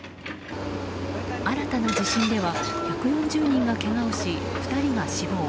新たな地震では１４０人がけがをし２人が死亡。